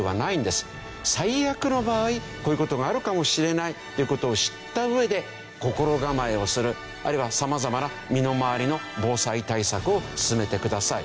最悪の場合こういう事があるかもしれないという事を知った上で心構えをするあるいはさまざまな身の回りの防災対策を進めてくださいという事。